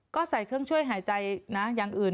ก็ใส่เครื่องช่วยหายใจนะอย่างอื่น